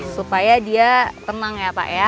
supaya dia tenang ya pak ya